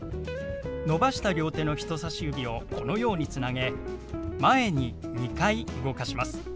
伸ばした両手の人さし指をこのようにつなげ前に２回動かします。